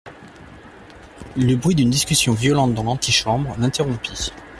Le bruit d'une discussion violente dans l'antichambre l'interrompit.